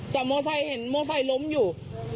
จากมอเตอร์ไซค์เห็นมอเตอร์ไซค์ล้มอยู่